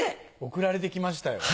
送られてきましたよ。